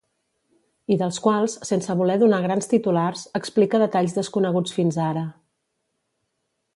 I dels quals, sense voler donar grans titulars, explica detalls desconeguts fins ara.